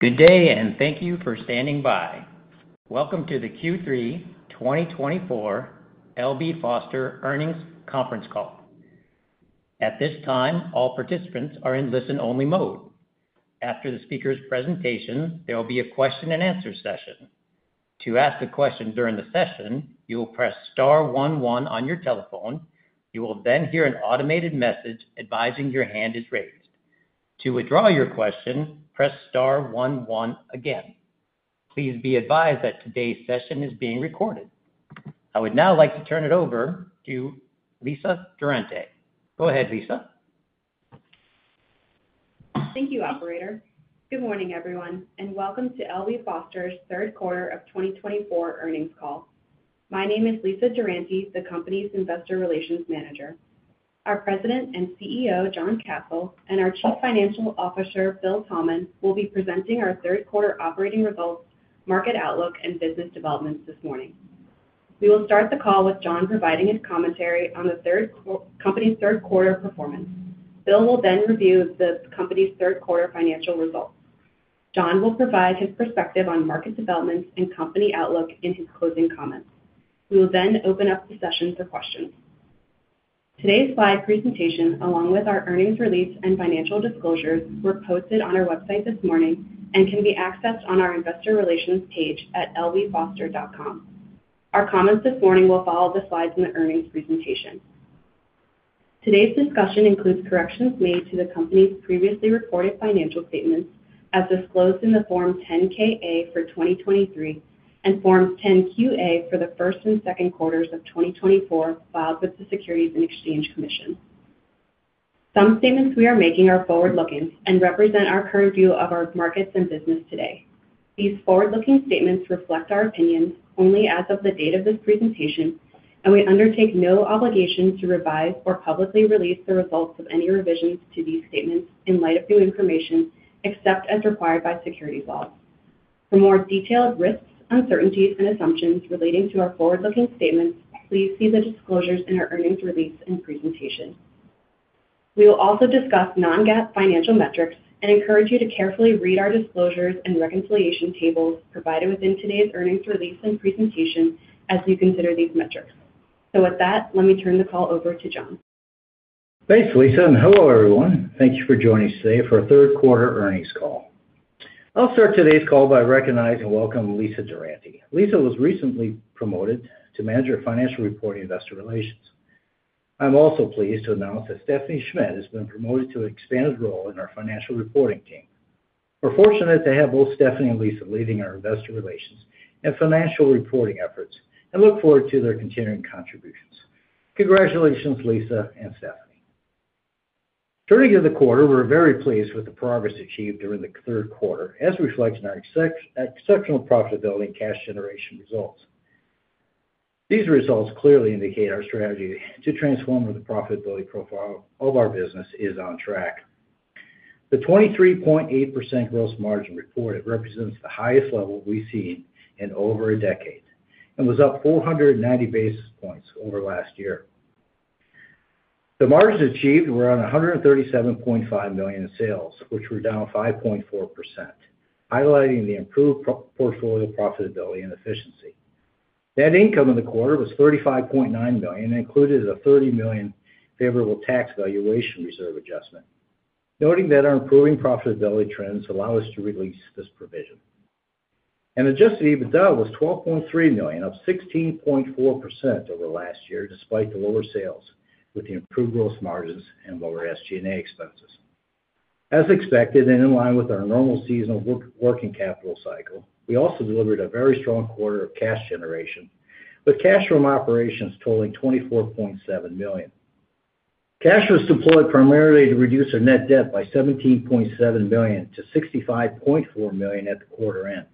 Good day, and thank you for standing by. Welcome to the Q3 2024 L.B. Foster Earnings Conference Call. At this time, all participants are in listen-only mode. After the speaker's presentation, there will be a question-and-answer session. To ask a question during the session, you will press star one one on your telephone. You will then hear an automated message advising your hand is raised. To withdraw your question, press star one one again. Please be advised that today's session is being recorded. I would now like to turn it over to Lisa Durante. Go ahead, Lisa. Thank you, Operator. Good morning, everyone, and welcome to L.B. Foster's third quarter of 2024 earnings call. My name is Lisa Durante, the company's investor relations manager. Our President and CEO, John Kasel, and our Chief Financial Officer, Bill Thoman, will be presenting our Q3 operating results, market outlook, and business developments this morning. We will start the call with John providing his commentary on the company's third quarter performance. Bill will then review the company's third quarter financial results. John will provide his perspective on market developments and company outlook in his closing comments. We will then open up the session for questions. Today's slide presentation, along with our earnings release and financial disclosures, were posted on our website this morning and can be accessed on our investor relations page at lbfoster.com. Our comments this morning will follow the slides in the earnings presentation. Today's discussion includes corrections made to the company's previously reported financial statements as disclosed in the Form 10-K/A for 2023 and Form 10-Q/A for the first and second quarters of 2024, filed with the Securities and Exchange Commission. Some statements we are making are forward-looking and represent our current view of our markets and business today. These forward-looking statements reflect our opinions only as of the date of this presentation, and we undertake no obligation to revise or publicly release the results of any revisions to these statements in light of new information except as required by securities law. For more detailed risks, uncertainties, and assumptions relating to our forward-looking statements, please see the disclosures in our earnings release and presentation. We will also discuss non-GAAP financial metrics and encourage you to carefully read our disclosures and reconciliation tables provided within today's earnings release and presentation as you consider these metrics. So with that, let me turn the call over to John. Thanks, Lisa, and hello, everyone. Thank you for joining us today for our Q3 earnings call. I'll start today's call by recognizing and welcoming Lisa Durante. Lisa was recently promoted to manager of financial reporting investor relations. I'm also pleased to announce that Stephanie Schmidt has been promoted to an expanded role in our financial reporting team. We're fortunate to have both Stephanie and Lisa leading our investor relations and financial reporting efforts and look forward to their continuing contributions. Congratulations, Lisa and Stephanie. Turning to the quarter, we're very pleased with the progress achieved during the third quarter as reflected in our exceptional profitability and cash generation results. These results clearly indicate our strategy to transform the profitability profile of our business is on track. The 23.8% gross margin reported represents the highest level we've seen in over a decade and was up 490 basis points over last year. The margins achieved were around $137.5 million in sales, which were down 5.4%, highlighting the improved portfolio profitability and efficiency. Net income in the quarter was $35.9 million and included a $30 million favorable tax valuation allowance adjustment, noting that our improving profitability trends allow us to release this provision, and adjusted EBITDA was $12.3 million, up 16.4% over last year, despite the lower sales with the improved gross margins and lower SG&A expenses. As expected and in line with our normal seasonal working capital cycle, we also delivered a very strong quarter of cash generation with cash from operations totaling $24.7 million. Cash was deployed primarily to reduce our net debt by $17.7 million to $65.4 million at the quarter end.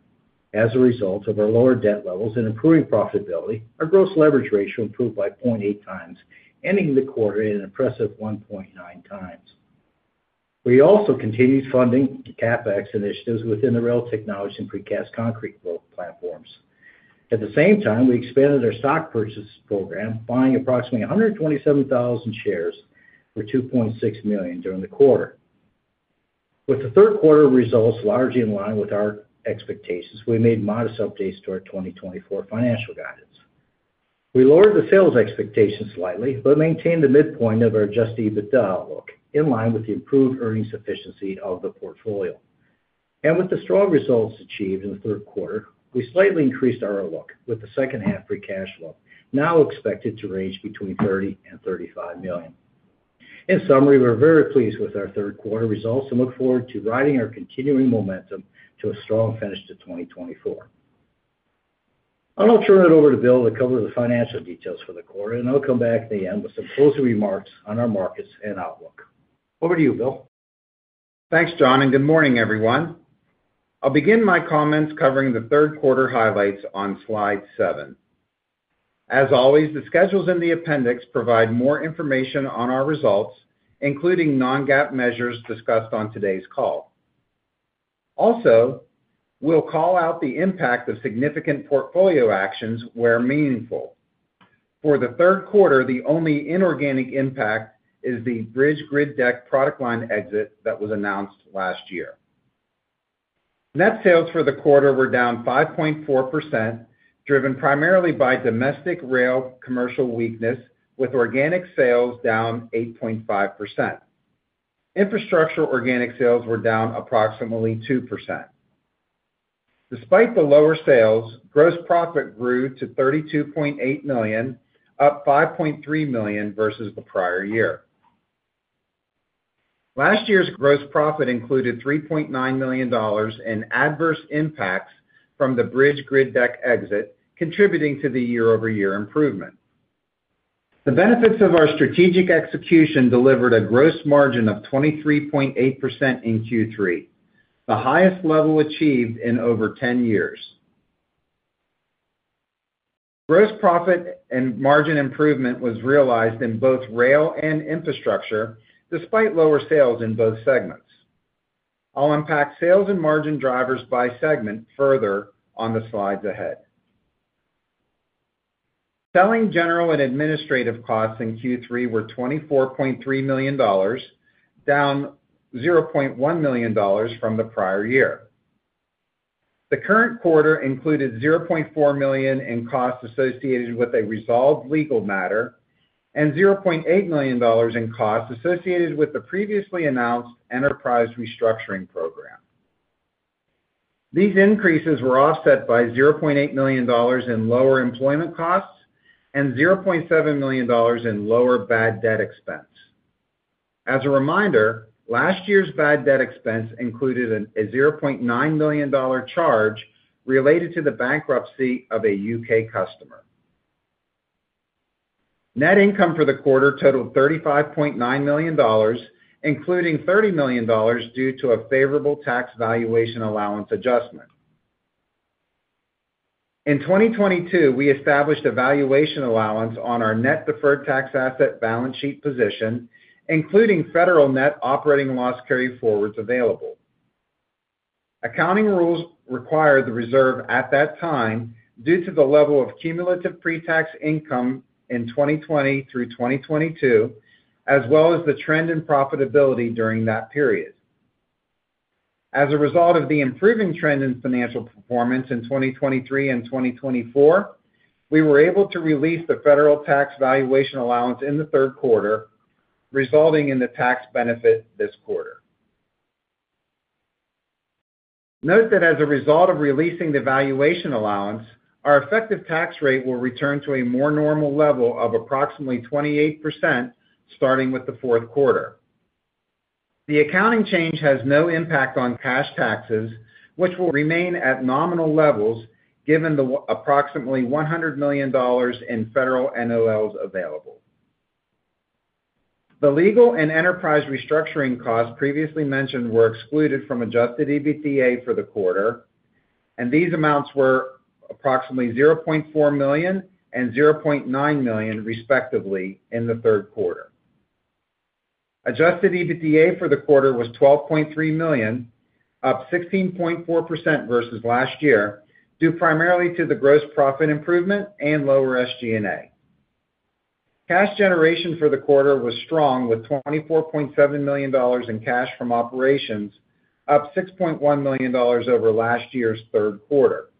As a result of our lower debt levels and improving profitability, our gross leverage ratio improved by 0.8 times, ending the quarter at an impressive 1.9 times. We also continued funding the CapEx initiatives within the rail technology and precast concrete growth platforms. At the same time, we expanded our stock purchase program, buying approximately 127,000 shares for $2.6 million during the quarter. With the third quarter results largely in line with our expectations, we made modest updates to our 2024 financial guidance. We lowered the sales expectations slightly but maintained the midpoint of our Adjusted EBITDA outlook in line with the improved earnings efficiency of the portfolio. With the strong results achieved in the third quarter, we slightly increased our outlook with the second-half free cash flow now expected to range between $30 and $35 million. In summary, we're very pleased with our third quarter results and look forward to riding our continuing momentum to a strong finish to 2024. I'll turn it over to Bill to cover the financial details for the quarter, and I'll come back at the end with some closing remarks on our markets and outlook. Over to you, Bill. Thanks, John, and good morning, everyone. I'll begin my comments covering the third quarter highlights on slide seven. As always, the schedules in the appendix provide more information on our results, including non-GAAP measures discussed on today's call. Also, we'll call out the impact of significant portfolio actions where meaningful. For the third quarter, the only inorganic impact is the Bridge Grid Deck product line exit that was announced last year. Net sales for the quarter were down 5.4%, driven primarily by domestic rail commercial weakness, with organic sales down 8.5%. Infrastructure organic sales were down approximately 2%. Despite the lower sales, gross profit grew to $32.8 million, up $5.3 million versus the prior year. Last year's gross profit included $3.9 million in adverse impacts from the Bridge Grid Deck exit, contributing to the year-over-year improvement. The benefits of our strategic execution delivered a gross margin of 23.8% in Q3, the highest level achieved in over 10 years. Gross profit and margin improvement was realized in both rail and infrastructure, despite lower sales in both segments. I'll unpack sales and margin drivers by segment further on the slides ahead. Selling general and administrative costs in Q3 were $24.3 million, down $0.1 million from the prior year. The current quarter included $0.4 million in costs associated with a resolved legal matter and $0.8 million in costs associated with the previously announced enterprise restructuring program. These increases were offset by $0.8 million in lower employment costs and $0.7 million in lower bad debt expense. As a reminder, last year's bad debt expense included a $0.9 million charge related to the bankruptcy of a U.K. customer. Net income for the quarter totaled $35.9 million, including $30 million due to a favorable tax valuation allowance adjustment. In 2022, we established a valuation allowance on our net deferred tax asset balance sheet position, including federal net operating loss carry forwards available. Accounting rules required the reserve at that time due to the level of cumulative pre-tax income in 2020 through 2022, as well as the trend in profitability during that period. As a result of the improving trend in financial performance in 2023 and 2024, we were able to release the federal tax valuation allowance in the third quarter, resulting in the tax benefit this quarter. Note that as a result of releasing the valuation allowance, our effective tax rate will return to a more normal level of approximately 28% starting with the fourth quarter. The accounting change has no impact on cash taxes, which will remain at nominal levels given the approximately $100 million in federal NOLs available. The legal and enterprise restructuring costs previously mentioned were excluded from adjusted EBITDA for the quarter, and these amounts were approximately $0.4 million and $0.9 million, respectively, in the third quarter. Adjusted EBITDA for the quarter was $12.3 million, up 16.4% versus last year, due primarily to the gross profit improvement and lower SG&A. Cash generation for the quarter was strong, with $24.7 million in cash from operations, up $6.1 million over last year's third quarter.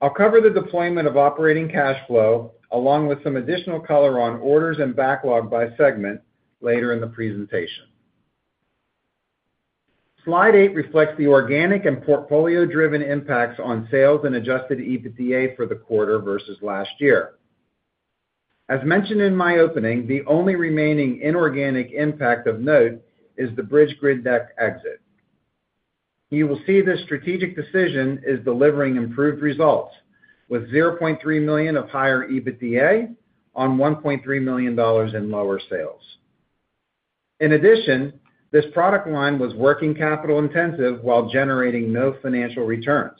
I'll cover the deployment of operating cash flow along with some additional color on orders and backlog by segment later in the presentation. Slide eight reflects the organic and portfolio-driven impacts on sales and adjusted EBITDA for the quarter versus last year. As mentioned in my opening, the only remaining inorganic impact of note is the Bridge Grid Deck exit. You will see this strategic decision is delivering improved results with $0.3 million of higher EBITDA on $1.3 million in lower sales. In addition, this product line was working capital intensive while generating no financial returns.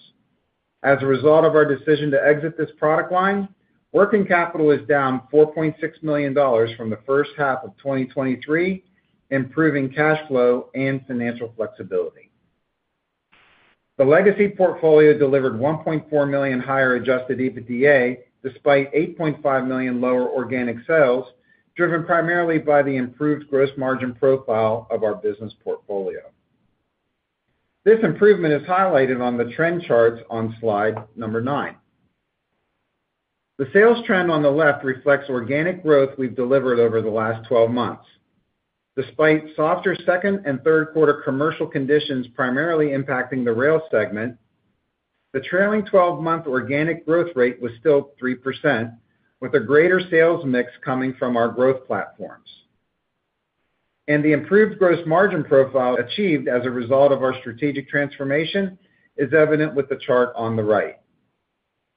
As a result of our decision to exit this product line, working capital is down $4.6 million from the first half of 2023, improving cash flow and financial flexibility. The legacy portfolio delivered $1.4 million higher adjusted EBITDA despite $8.5 million lower organic sales, driven primarily by the improved gross margin profile of our business portfolio. This improvement is highlighted on the trend charts on slide number nine. The sales trend on the left reflects organic growth we've delivered over the last 12 months. Despite softer second and Q3 commercial conditions primarily impacting the rail segment, the trailing 12-month organic growth rate was still 3%, with a greater sales mix coming from our growth platforms, and the improved gross margin profile achieved as a result of our strategic transformation is evident with the chart on the right.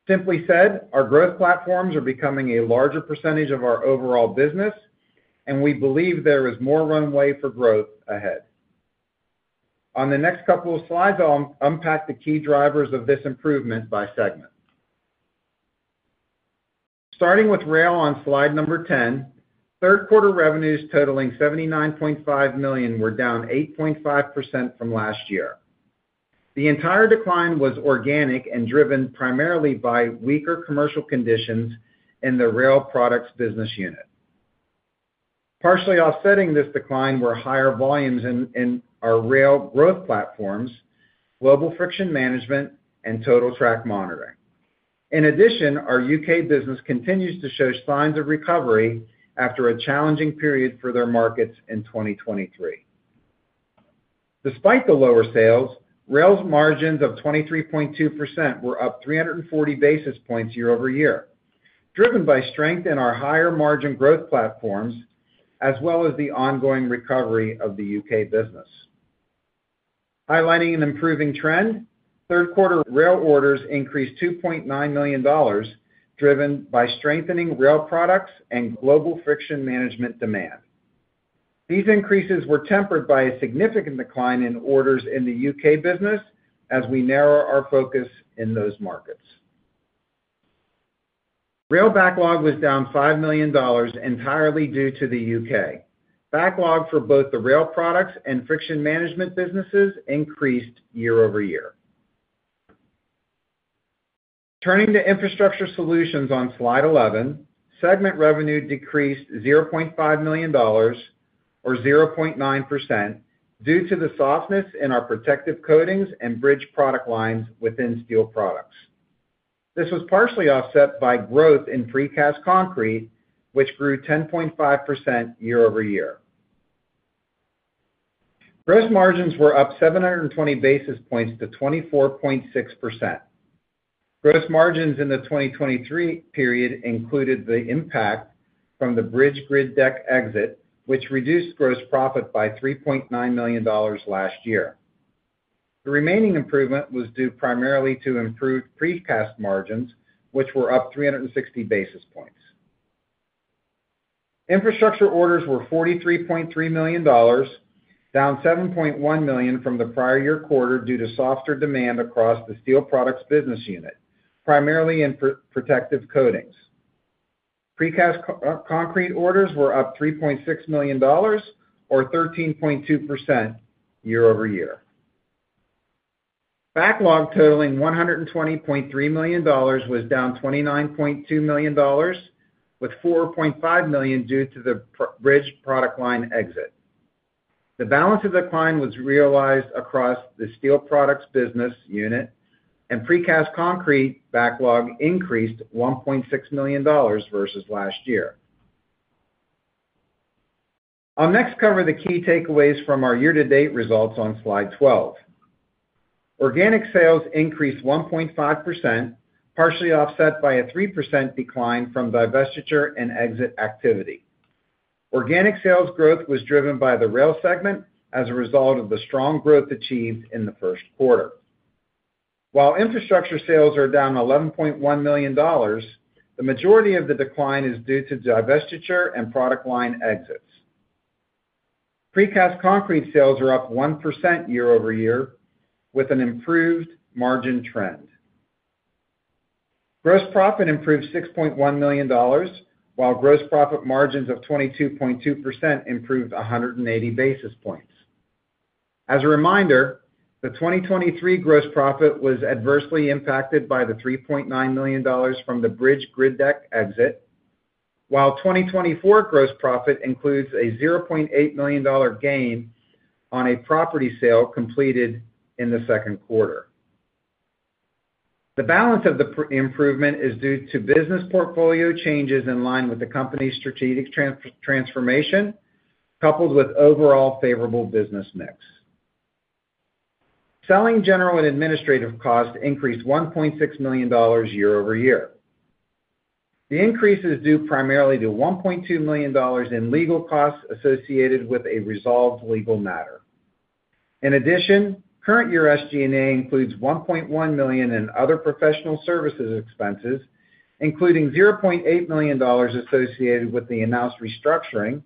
Simply said, our growth platforms are becoming a larger percentage of our overall business, and we believe there is more runway for growth ahead. On the next couple of slides, I'll unpack the key drivers of this improvement by segment. Starting with rail on slide number 10, third quarter revenues totaling $79.5 million were down 8.5% from last year. The entire decline was organic and driven primarily by weaker commercial conditions in the rail products business unit. Partially offsetting this decline were higher volumes in our rail growth platforms, Global Friction Management, and Total Track Monitoring. In addition, our U.K. business continues to show signs of recovery after a challenging period for their markets in 2023. Despite the lower sales, rail's margins of 23.2% were up 340 basis points year over year, driven by strength in our higher margin growth platforms as well as the ongoing recovery of the U.K. business. Highlighting an improving trend, third quarter rail orders increased $2.9 million, driven by strengthening Rail Products and Global Friction Management demand. These increases were tempered by a significant decline in orders in the U.K. business as we narrow our focus in those markets. Rail backlog was down $5 million entirely due to the U.K. Backlog for both the Rail Products and friction management businesses increased year over year. Turning to infrastructure solutions on slide 11, segment revenue decreased $0.5 million or 0.9% due to the softness in our Protective Coatings and bridge product lines within Steel Products. This was partially offset by growth in precast concrete, which grew 10.5% year over year. Gross margins were up 720 basis points to 24.6%. Gross margins in the 2023 period included the impact from the Bridge Grid Deck exit, which reduced gross profit by $3.9 million last year. The remaining improvement was due primarily to improved precast margins, which were up 360 basis points. Infrastructure orders were $43.3 million, down $7.1 million from the prior year quarter due to softer demand across the Steel Products business unit, primarily in Protective Coatings. Precast concrete orders were up $3.6 million or 13.2% year over year. Backlog totaling $120.3 million was down $29.2 million, with $4.5 million due to the bridge product line exit. The balance of decline was realized across the steel products business unit, and precast concrete backlog increased $1.6 million versus last year. I'll next cover the key takeaways from our year-to-date results on slide 12. Organic sales increased 1.5%, partially offset by a 3% decline from divestiture and exit activity. Organic sales growth was driven by the rail segment as a result of the strong growth achieved in the first quarter. While infrastructure sales are down $11.1 million, the majority of the decline is due to divestiture and product line exits. Precast concrete sales are up 1% year over year, with an improved margin trend. Gross profit improved $6.1 million, while gross profit margins of 22.2% improved 180 basis points. As a reminder, the 2023 gross profit was adversely impacted by the $3.9 million from the Bridge Grid Deck exit, while 2024 gross profit includes a $0.8 million gain on a property sale completed in the second quarter. The balance of the improvement is due to business portfolio changes in line with the company's strategic transformation, coupled with overall favorable business mix. Selling general and administrative costs increased $1.6 million year over year. The increase is due primarily to $1.2 million in legal costs associated with a resolved legal matter. In addition, current year SG&A includes $1.1 million in other professional services expenses, including $0.8 million associated with the announced restructuring,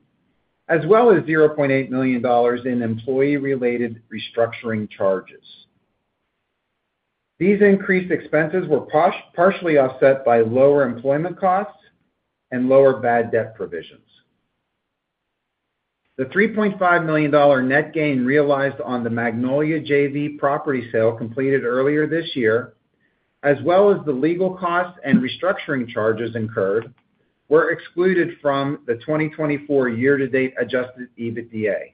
as well as $0.8 million in employee-related restructuring charges. These increased expenses were partially offset by lower employment costs and lower bad debt provisions. The $3.5 million net gain realized on the Magnolia J.V. Property sale completed earlier this year, as well as the legal costs and restructuring charges incurred, were excluded from the 2024 year-to-date Adjusted EBITDA,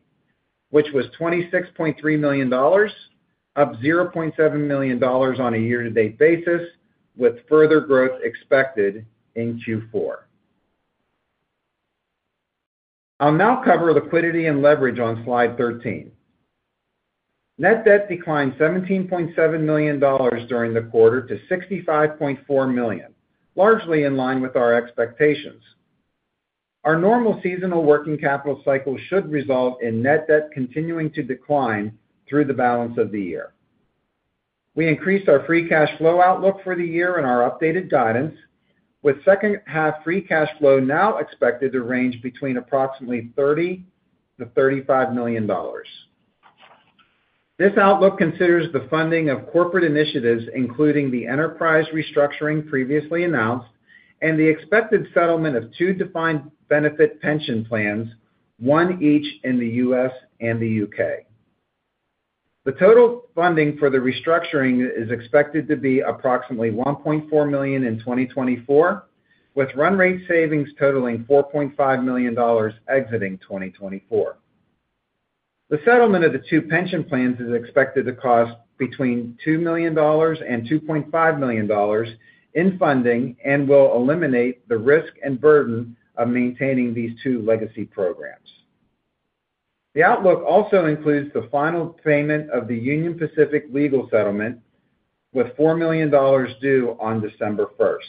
which was $26.3 million, up $0.7 million on a year-to-date basis, with further growth expected in Q4. I'll now cover liquidity and leverage on slide 13. Net debt declined $17.7 million during the quarter to $65.4 million, largely in line with our expectations. Our normal seasonal working capital cycle should result in net debt continuing to decline through the balance of the year. We increased our Free Cash Flow outlook for the year in our updated guidance, with second-half Free Cash Flow now expected to range between approximately $30-$35 million. This outlook considers the funding of corporate initiatives, including the enterprise restructuring previously announced, and the expected settlement of two defined benefit pension plans, one each in the U.S. and the U.K. The total funding for the restructuring is expected to be approximately $1.4 million in 2024, with run rate savings totaling $4.5 million exiting 2024. The settlement of the two pension plans is expected to cost between $2 million and $2.5 million in funding and will eliminate the risk and burden of maintaining these two legacy programs. The outlook also includes the final payment of the Union Pacific legal settlement, with $4 million due on December 1st.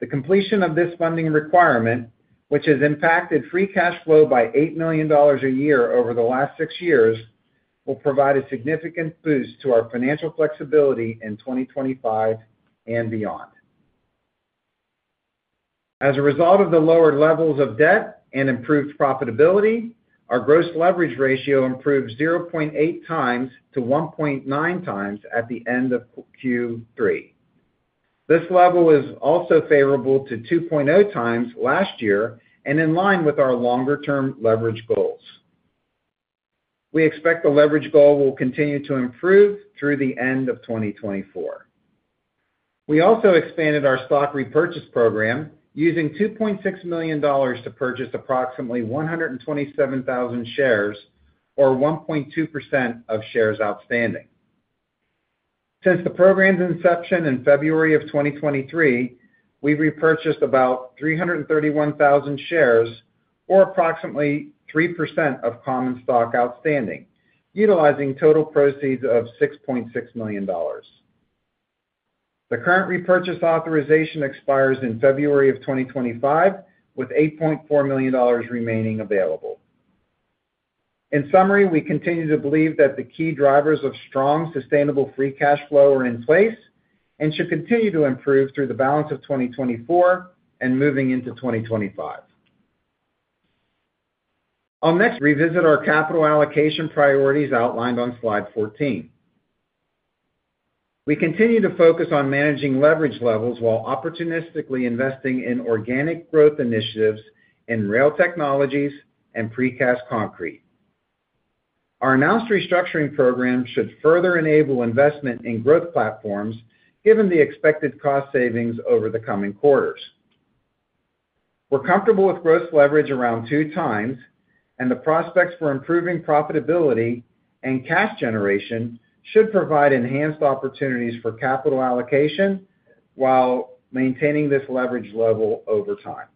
The completion of this funding requirement, which has impacted free cash flow by $8 million a year over the last six years, will provide a significant boost to our financial flexibility in 2025 and beyond. As a result of the lowered levels of debt and improved profitability, our gross leverage ratio improved 0.8 times to 1.9 times at the end of Q3. This level is also favorable to 2.0 times last year and in line with our longer-term leverage goals. We expect the leverage goal will continue to improve through the end of 2024. We also expanded our stock repurchase program, using $2.6 million to purchase approximately 127,000 shares, or 1.2% of shares outstanding. Since the program's inception in February of 2023, we've repurchased about 331,000 shares, or approximately 3% of common stock outstanding, utilizing total proceeds of $6.6 million. The current repurchase authorization expires in February of 2025, with $8.4 million remaining available. In summary, we continue to believe that the key drivers of strong, sustainable free cash flow are in place and should continue to improve through the balance of 2024 and moving into 2025. I'll next revisit our capital allocation priorities outlined on slide 14. We continue to focus on managing leverage levels while opportunistically investing in organic growth initiatives in rail technologies and precast concrete. Our announced restructuring program should further enable investment in growth platforms, given the expected cost savings over the coming quarters. We're comfortable with gross leverage around two times, and the prospects for improving profitability and cash generation should provide enhanced opportunities for capital allocation while maintaining this leverage level over time.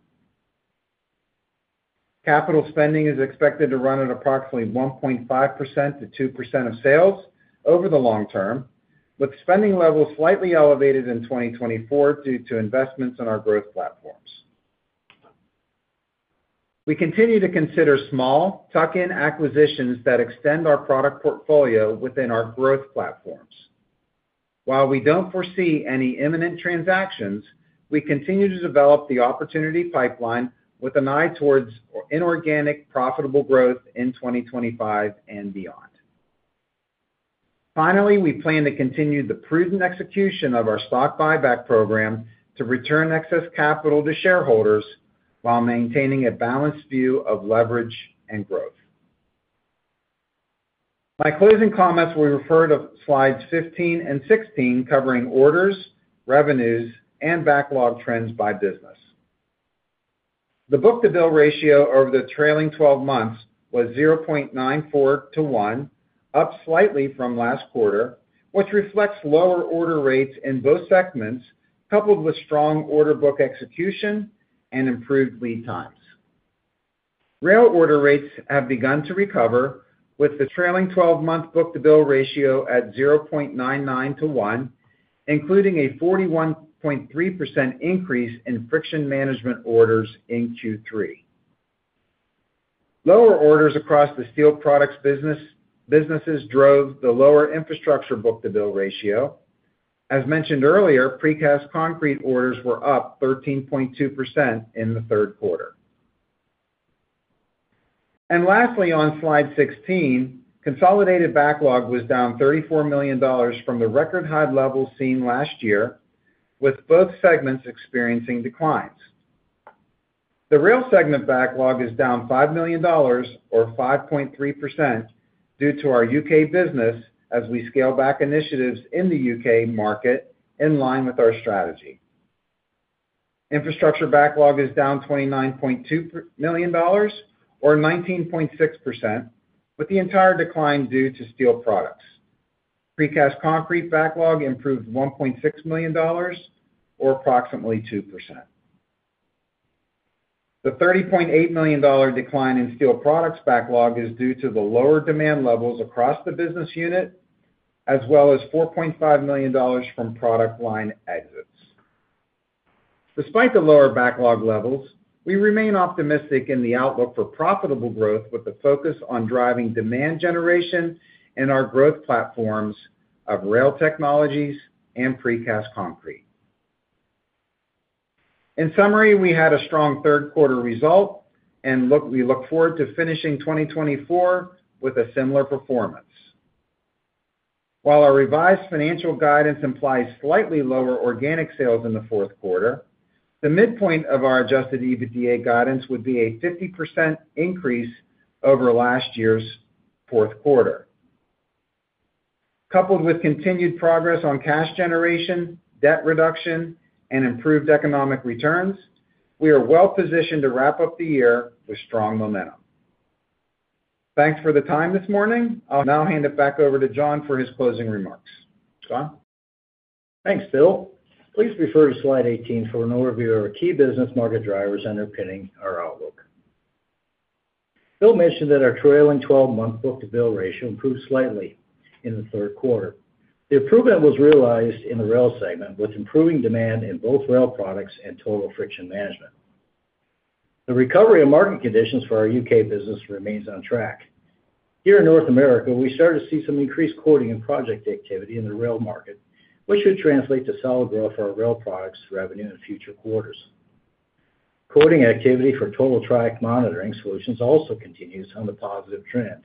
Capital spending is expected to run at approximately 1.5 to 2% of sales over the long term, with spending levels slightly elevated in 2024 due to investments in our growth platforms. We continue to consider small tuck-in acquisitions that extend our product portfolio within our growth platforms. While we don't foresee any imminent transactions, we continue to develop the opportunity pipeline with an eye towards inorganic profitable growth in 2025 and beyond. Finally, we plan to continue the prudent execution of our stock buyback program to return excess capital to shareholders while maintaining a balanced view of leverage and growth. My closing comments will refer to slides 15 and 16, covering orders, revenues, and backlog trends by business. The book-to-bill ratio over the trailing 12 months was 0.94 to 1, up slightly from last quarter, which reflects lower order rates in both segments, coupled with strong order book execution and improved lead times. Rail order rates have begun to recover, with the trailing 12-month book-to-bill ratio at 0.99 to 1, including a 41.3% increase in friction management orders in Q3. Lower orders across the steel products businesses drove the lower infrastructure book-to-bill ratio. As mentioned earlier, precast concrete orders were up 13.2% in the third quarter. And lastly, on slide 16, consolidated backlog was down $34 million from the record high levels seen last year, with both segments experiencing declines. The rail segment backlog is down $5 million, or 5.3%, due to our U.K. business as we scale back initiatives in the U.K. market in line with our strategy. Infrastructure backlog is down $29.2 million, or 19.6%, with the entire decline due to steel products. Precast concrete backlog improved $1.6 million, or approximately 2%. The $30.8 million decline in steel products backlog is due to the lower demand levels across the business unit, as well as $4.5 million from product line exits. Despite the lower backlog levels, we remain optimistic in the outlook for profitable growth, with the focus on driving demand generation in our growth platforms of rail technologies and precast concrete. In summary, we had a strong third-quarter result, and we look forward to finishing 2024 with a similar performance. While our revised financial guidance implies slightly lower organic sales in the fourth quarter, the midpoint of our Adjusted EBITDA guidance would be a 50% increase over last year's fourth quarter. Coupled with continued progress on cash generation, debt reduction, and improved economic returns, we are well positioned to wrap up the year with strong momentum. Thanks for the time this morning. I'll now hand it back over to John for his closing remarks. John? Thanks, Bill. Please refer to slide 18 for an overview of our key business market drivers underpinning our outlook. Bill mentioned that our trailing 12-month book-to-bill ratio improved slightly in the third quarter. The improvement was realized in the rail segment, with improving demand in both Rail Products and Global Friction Management. The recovery of market conditions for our U.K. business remains on track. Here in North America, we started to see some increased quoting and project activity in the rail market, which should translate to solid growth for our Rail Products revenue in future quarters. Quoting activity for Total Track Monitoring solutions also continues on the positive trend.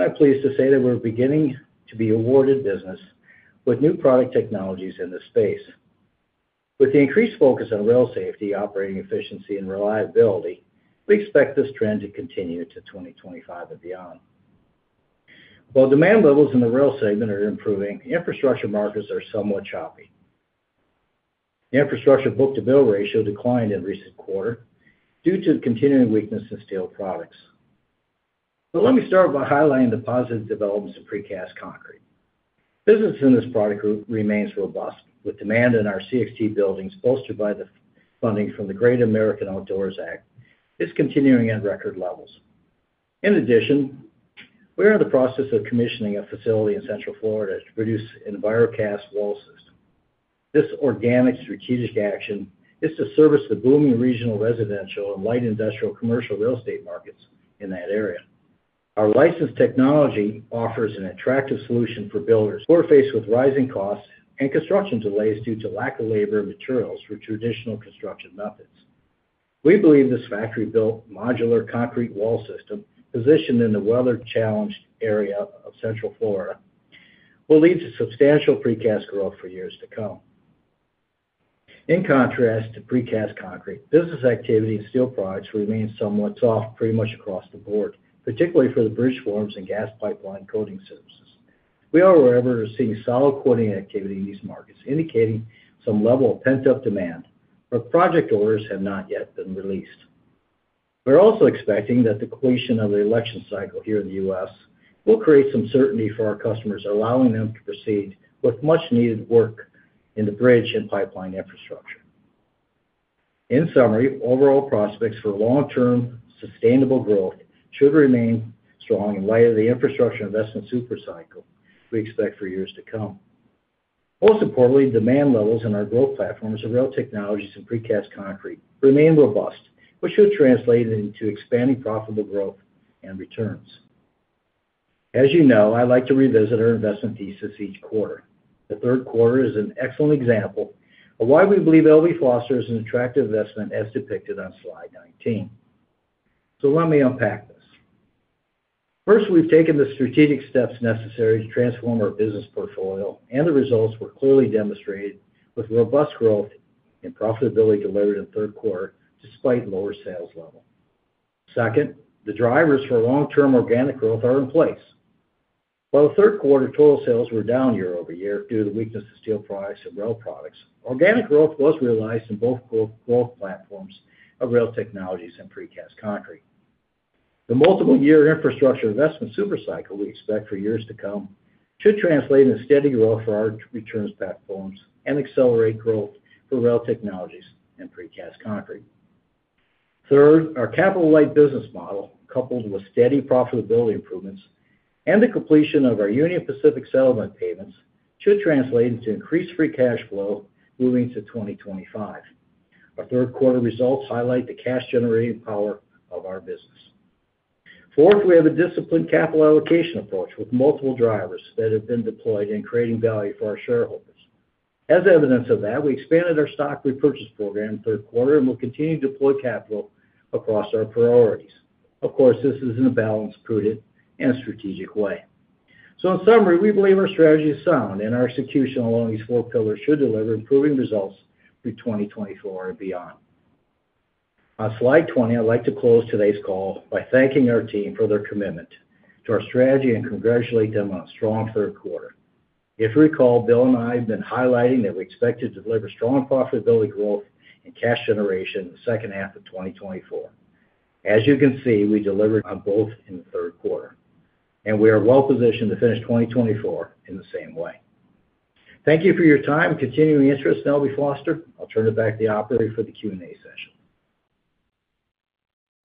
I'm pleased to say that we're beginning to be awarded business with new product technologies in this space. With the increased focus on rail safety, operating efficiency, and reliability, we expect this trend to continue to 2025 and beyond. While demand levels in the rail segment are improving, infrastructure markets are somewhat choppy. The infrastructure book-to-bill ratio declined in recent quarter due to continuing weakness in steel products. But let me start by highlighting the positive developments in precast concrete. Business in this product group remains robust, with demand in our CXT buildings bolstered by the funding from the Great American Outdoors Act, is continuing at record levels. In addition, we are in the process of commissioning a facility in Central Florida to produce EnviroCast wall system. This organic strategic action is to service the booming regional residential and light industrial commercial real estate markets in that area. Our licensed technology offers an attractive solution for builders who are faced with rising costs and construction delays due to lack of labor and materials for traditional construction methods. We believe this factory-built modular concrete wall system, positioned in the weather-challenged area of Central Florida, will lead to substantial precast growth for years to come. In contrast to precast concrete, business activity in steel products remains somewhat soft pretty much across the board, particularly for the bridge forms and gas pipeline coating services. We are, however, seeing solid quoting activity in these markets, indicating some level of pent-up demand, but project orders have not yet been released. We're also expecting that the completion of the election cycle here in the U.S. will create some certainty for our customers, allowing them to proceed with much-needed work in the bridge and pipeline infrastructure. In summary, overall prospects for long-term sustainable growth should remain strong in light of the infrastructure investment supercycle we expect for years to come. Most importantly, demand levels in our growth platforms of rail technologies and precast concrete remain robust, which should translate into expanding profitable growth and returns. As you know, I like to revisit our investment thesis each quarter. The third quarter is an excellent example of why we believe L.B. Foster is an attractive investment, as depicted on slide 19. So let me unpack this. First, we've taken the strategic steps necessary to transform our business portfolio, and the results were clearly demonstrated with robust growth and profitability delivered in third quarter despite lower sales levels. Second, the drivers for long-term organic growth are in place. While the third quarter total sales were down year over year due to the weakness of steel products and rail products, organic growth was realized in both growth platforms of rail technologies and precast concrete. The multiple-year infrastructure investment supercycle we expect for years to come should translate into steady growth for our returns platforms and accelerate growth for rail technologies and precast concrete. Third, our capital-light business model, coupled with steady profitability improvements and the completion of our Union Pacific settlement payments, should translate into increased free cash flow moving to 2025. Our third quarter results highlight the cash-generating power of our business. Fourth, we have a disciplined capital allocation approach with multiple drivers that have been deployed in creating value for our shareholders. As evidence of that, we expanded our stock repurchase program third quarter and will continue to deploy capital across our priorities. Of course, this is in a balanced, prudent, and strategic way. So in summary, we believe our strategy is sound, and our execution along these four pillars should deliver improving results through 2024 and beyond. On slide 20, I'd like to close today's call by thanking our team for their commitment to our strategy and congratulate them on a strong third quarter. If you recall, Bill and I have been highlighting that we expected to deliver strong profitability growth and cash generation in the second half of 2024. As you can see, we delivered on both in the third quarter, and we are well positioned to finish 2024 in the same way. Thank you for your time and continuing interest in L.B. Foster. I'll turn it back to the operator for the Q&A session.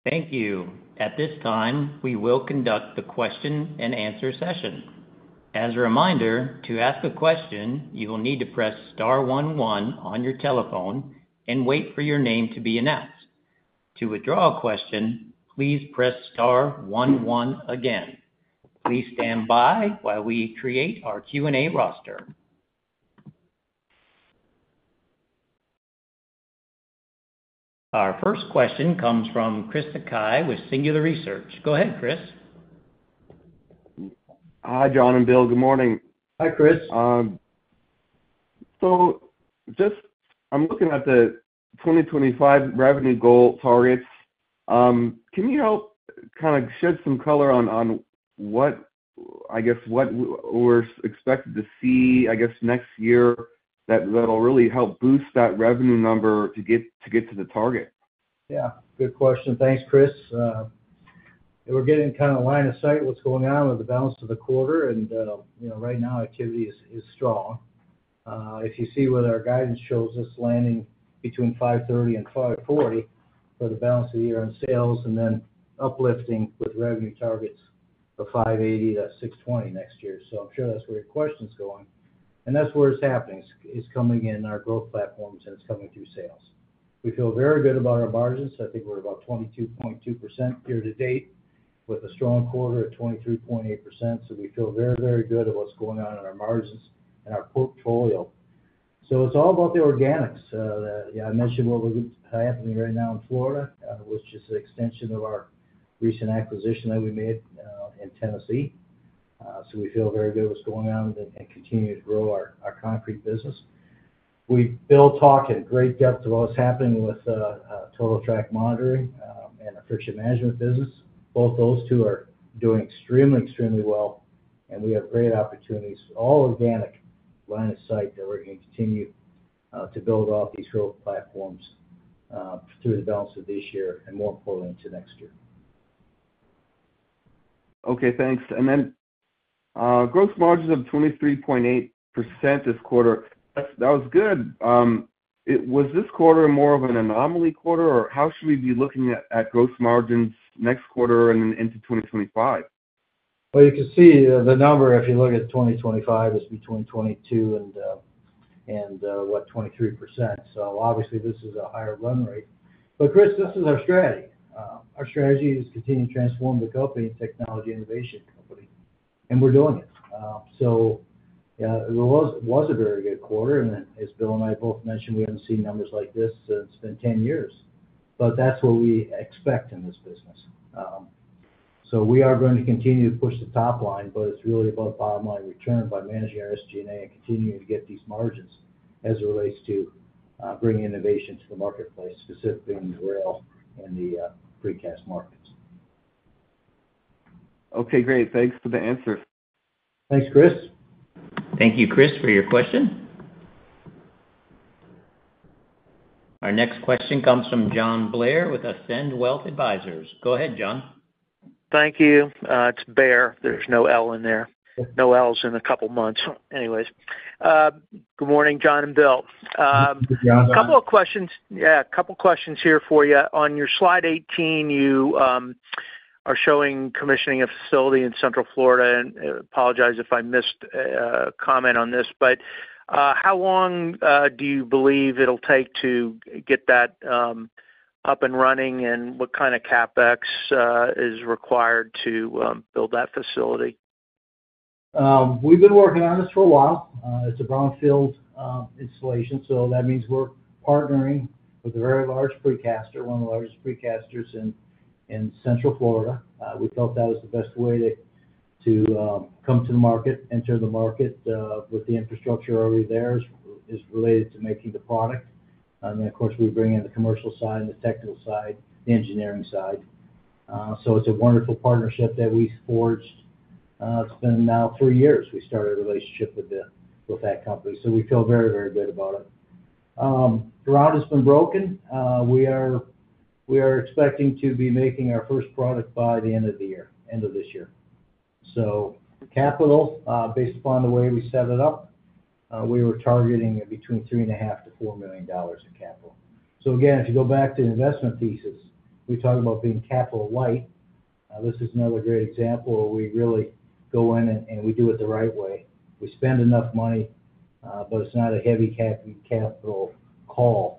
Thank you. At this time, we will conduct the question-and-answer session. As a reminder, to ask a question, you will need to press star one one on your telephone and wait for your name to be announced. To withdraw a question, please press star one one again. Please stand by while we create our Q&A roster. Our first question comes from Chris Sakai with Singular Research. Go ahead, Chris. Hi, John and Bill. Good morning. Hi, Chris. So, just, I'm looking at the 2025 revenue goal targets. Can you help kind of shed some color on what, I guess, what we're expected to see, I guess, next year that'll really help boost that revenue number to get to the target? Yeah. Good question. Thanks, Chris. We're getting kind of line of sight what's going on with the balance of the quarter, and right now, activity is strong. If you see where our guidance shows us landing between $530 and 540 for the balance of the year on sales, and then uplifting with revenue targets of $580 to $620 next year. So I'm sure that's where your question's going, and that's where it's happening. It's coming in our growth platforms, and it's coming through sales. We feel very good about our margins. I think we're about 22.2% year to date, with a strong quarter at 23.8%. So we feel very, very good about what's going on in our margins and our portfolio. So it's all about the organics. I mentioned what was happening right now in Florida, which is an extension of our recent acquisition that we made in Tennessee. So we feel very good about what's going on and continue to grow our concrete business. We've talked in great depth of what's happening with Total Track Monitoring and the Friction Management business. Both those two are doing extremely, extremely well, and we have great opportunities, all organic, line of sight that we're going to continue to build off these growth platforms through the balance of this year and, more importantly, into next year. Okay. Thanks. And then gross margins of 23.8% this quarter. That was good. Was this quarter more of an anomaly quarter, or how should we be looking at gross margins next quarter and into 2025? You can see the number, if you look at 2025, is between 22% and 23%. So obviously, this is a higher run rate. But Chris, this is our strategy. Our strategy is to continue to transform the company and technology innovation company, and we're doing it. So it was a very good quarter. And as Bill and I both mentioned, we haven't seen numbers like this since it's been 10 years. But that's what we expect in this business. So we are going to continue to push the top line, but it's really about bottom line return by managing our SG&A and continuing to get these margins as it relates to bringing innovation to the marketplace, specifically in the rail and the precast markets. Okay. Great. Thanks for the answers. Thanks, Chris. Thank you, Chris, for your question. Our next question comes from John Bair with Ascend Wealth Advisors. Go ahead, John. Thank you. It's Bair. There's no L in there. No Ls in a couple of months. Anyways, good morning, John and Bill. Good morning, John. A couple of questions, yeah, a couple of questions here for you. On your slide 18, you are showing commissioning a facility in Central Florida. I apologize if I missed a comment on this, but how long do you believe it'll take to get that up and running, and what kind of CapEx is required to build that facility? We've been working on this for a while. It's a brownfield installation, so that means we're partnering with a very large precaster, one of the largest precasters in Central Florida. We felt that was the best way to come to the market, enter the market with the infrastructure already there as related to making the product. And then, of course, we bring in the commercial side, the technical side, the engineering side. So it's a wonderful partnership that we forged. It's been now three years we started a relationship with that company. So we feel very, very good about it. The ground has been broken. We are expecting to be making our first product by the end of the year, end of this year. So capital, based upon the way we set it up, we were targeting between $3.5-$4 million in capital. So again, if you go back to the investment thesis, we talked about being capital-light. This is another great example where we really go in and we do it the right way. We spend enough money, but it's not a heavy capital call.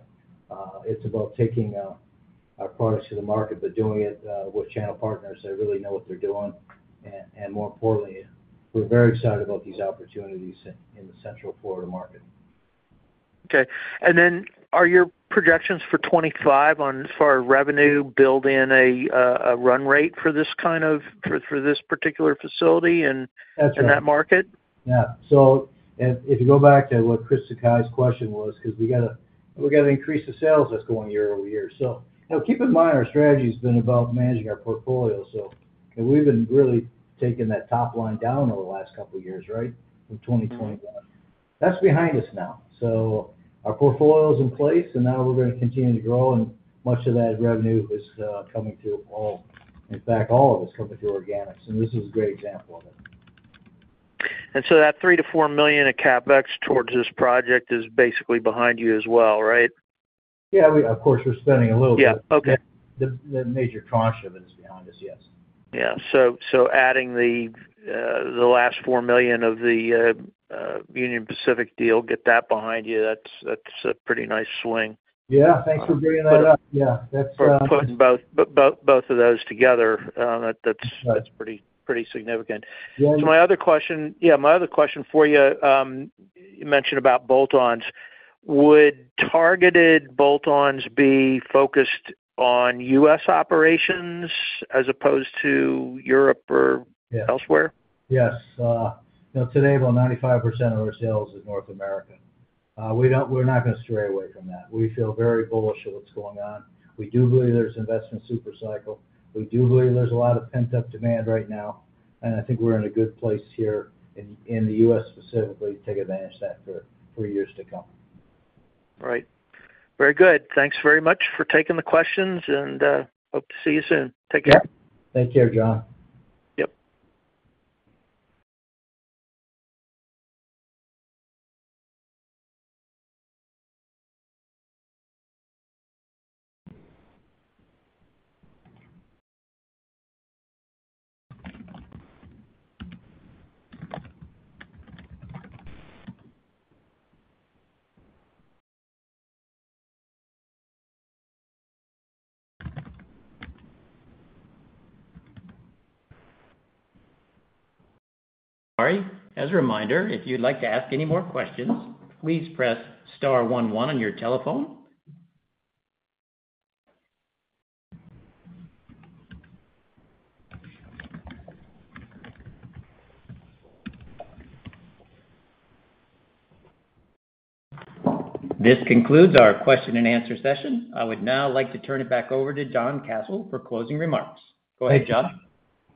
It's about taking our products to the market, but doing it with channel partners that really know what they're doing. And more importantly, we're very excited about these opportunities in the Central Florida market. Okay, and then are your projections for 2025 as far as revenue build in a run rate for this particular facility in that market? That's right. Yeah! so if you go back to what Chris Sakai's question was, because we got to increase the sales that's going year over year. So keep in mind our strategy has been about managing our portfolio. So we've been really taking that top line down over the last couple of years, right, from 2021. That's behind us now. So our portfolio is in place, and now we're going to continue to grow. And much of that revenue is coming through all, in fact, all of us coming through organics. And this is a great example of it. That $3 to 4 million of CapEx towards this project is basically behind you as well, right? Yeah. Of course, we're spending a little bit. Yeah. Okay. The major tranche of it is behind us, yes. Yeah. So adding the last $4 million of the Union Pacific deal, get that behind you. That's a pretty nice swing. Yeah. Thanks for bringing that up. Yeah. That's. Putting both of those together, that's pretty significant. So my other question for you, you mentioned about bolt-ons. Would targeted bolt-ons be focused on US operations as opposed to Europe or elsewhere? Yes. Now, today, about 95% of our sales is North America. We're not going to stray away from that. We feel very bullish on what's going on. We do believe there's an investment supercycle. We do believe there's a lot of pent-up demand right now. And I think we're in a good place here in the U.S. specifically to take advantage of that for years to come. All right. Very good. Thanks very much for taking the questions, and hope to see you soon. Take care. Yeah. Take care, John. Yep. All right. As a reminder, if you'd like to ask any more questions, please press star 11 on your telephone. This concludes our question-and-answer session. I would now like to turn it back over to John Kasel for closing remarks. Go ahead, John.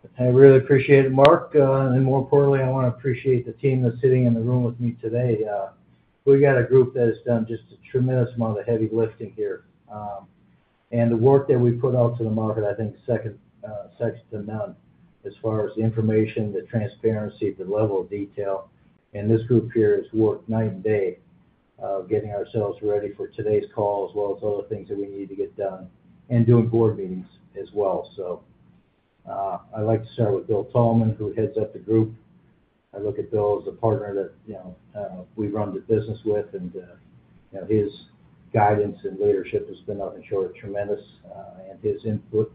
Thank you. I really appreciate it, Mark. And more importantly, I want to appreciate the team that's sitting in the room with me today. We got a group that has done just a tremendous amount of heavy lifting here. And the work that we put out to the market, I think, second to none as far as the information, the transparency, the level of detail. And this group here has worked night and day getting ourselves ready for today's call, as well as other things that we need to get done, and doing board meetings as well. So I'd like to start with Bill Thalman, who heads up the group. I look at Bill as a partner that we run the business with, and his guidance and leadership has been nothing short of tremendous. And his input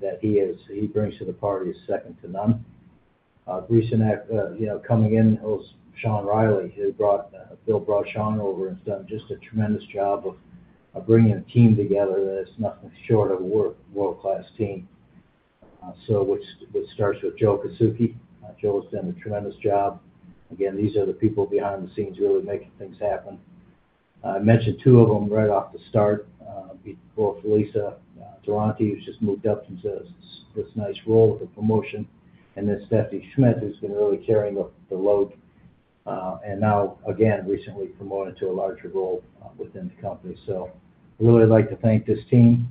that he brings to the party is second to none. Recently coming in was Sean Reilly, who brought Bill, brought Sean over, and has done just a tremendous job of bringing a team together that is nothing short of a world-class team. So which starts with Joe Kozlowski. Joe has done a tremendous job. Again, these are the people behind the scenes really making things happen. I mentioned two of them right off the start, both Lisa Durante, who's just moved up into this nice role with a promotion, and then Stephanie Schmidt, who's been really carrying the load, and now, again, recently promoted to a larger role within the company. So I'd really like to thank this team,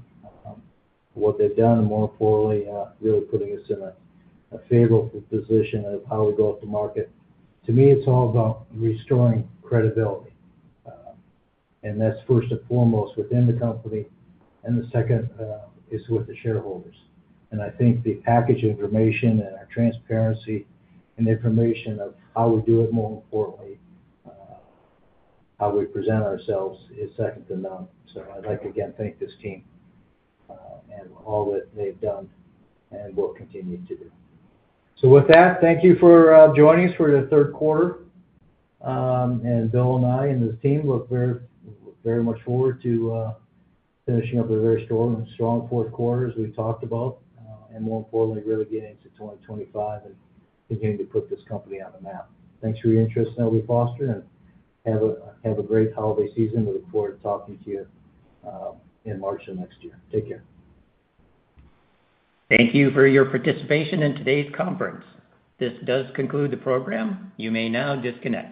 what they've done, and more importantly, really putting us in a favorable position of how we go out to market. To me, it's all about restoring credibility. That's first and foremost within the company, and the second is with the shareholders. I think the package information and our transparency and information of how we do it, more importantly, how we present ourselves, is second to none. I'd like, again, to thank this team and all that they've done and will continue to do. With that, thank you for joining us for the third quarter. Bill and I and this team look very much forward to finishing up a very strong fourth quarter, as we talked about, and more importantly, really getting into 2025 and continuing to put this company on the map. Thanks for your interest in L.B. Foster, and have a great holiday season. We look forward to talking to you in March of next year. Take care. Thank you for your participation in today's conference. This does conclude the program. You may now disconnect.